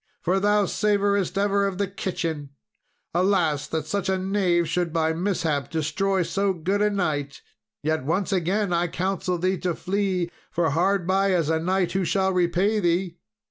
for thou savourest ever of the kitchen. Alas! that such a knave should by mishap destroy so good a knight; yet once again I counsel thee to flee, for hard by is a knight who shall repay thee!"